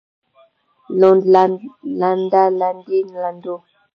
لوند لنده لندې لندو